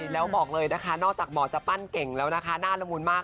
แล้วบอกเลยนะคะนอกจากหมอจะปั้นเก่งแล้วนะคะหน้าละมุนมาก